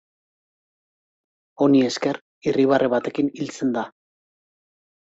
Honi esker irribarre batekin hiltzen da.